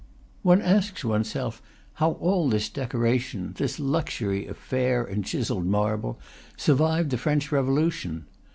One asks one's self how all this decoration, this luxury of fair and chiselled marble, survived the French Revolution.